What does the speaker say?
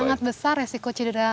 sangat besar resiko cedera